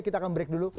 kita akan break dulu